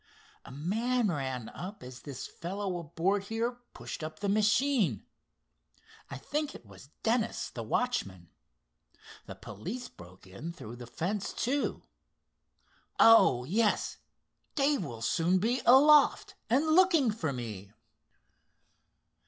A man ran up as this fellow aboard here pushed up the machine. I think it was Dennis, the watchman. The police broke in through the fence, too. Oh, yes, Dave will soon be aloft, and looking for me."